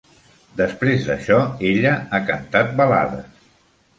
Després d'això, ella ha cantat balades.